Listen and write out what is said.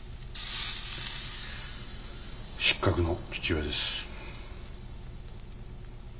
失格の父親です。